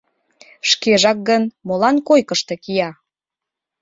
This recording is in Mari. Шкежак гын, молан койкышто кия?